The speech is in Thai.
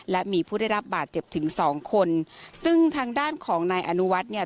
และมีผู้ได้รับบาดเจ็บถึงสองคนซึ่งทางด้านของนายอนุวัฒน์เนี่ย